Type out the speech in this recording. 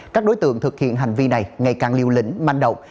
các đối tượng thực hiện hành vi này ngày càng liều lĩnh manh động